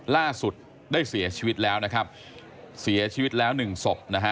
ล่าสุดได้เสียชีวิตแล้วนะครับเสียชีวิตแล้วหนึ่งศพนะฮะ